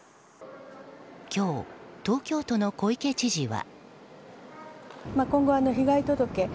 今日、東京都の小池知事は。